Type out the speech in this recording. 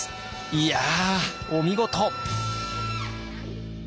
いやお見事！